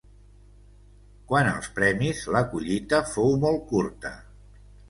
Quant als premis, la collita fou molt curta.